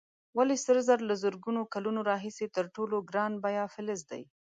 ولې سره زر له زرګونو کلونو راهیسې تر ټولو ګران بیه فلز دی؟